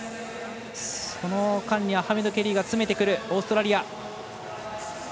その間にアハメド・ケリーが詰めてくる、オーストラリア。